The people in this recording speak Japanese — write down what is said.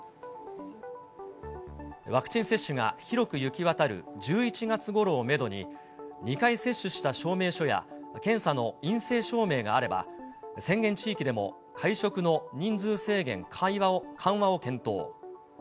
ワクチン接種が広く行き渡る１１月ごろをメドに、２回接種した証明書や、検査の陰性証明があれば、宣言地域でも会食の人数制限緩和を検討。